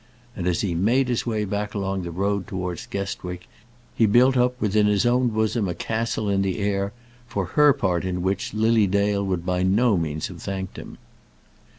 And as he made his way back along the road towards Guestwick, he built up within his own bosom a castle in the air, for her part in which Lily Dale would by no means have thanked him.